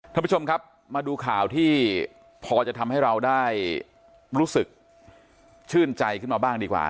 ท่านผู้ชมครับมาดูข่าวที่พอจะทำให้เราได้รู้สึกชื่นใจขึ้นมาบ้างดีกว่า